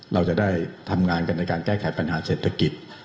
เราจะได้ทำงานกันในการแก้ไขปัญหาเศรษฐกิจ